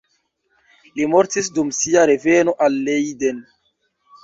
Li mortis dum sia reveno al Leiden.